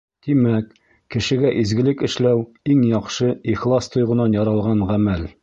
Тимәк, кешегә изгелек эшләү — иң яҡшы, ихлас тойғонан яралған ғәмәл.